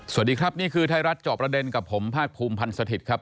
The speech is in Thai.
สวัสดีครับนี่คือไทยรัฐจอบประเด็นกับผมภาคภูมิพันธ์สถิตย์ครับ